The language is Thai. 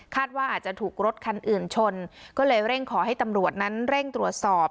ว่าอาจจะถูกรถคันอื่นชนก็เลยเร่งขอให้ตำรวจนั้นเร่งตรวจสอบ